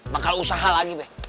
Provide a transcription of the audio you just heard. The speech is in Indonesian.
bakal usaha lagi be